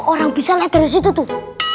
orang bisa lihat dari situ tuh